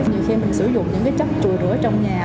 nhiều khi mình sử dụng những cái chất trù rửa trong nhà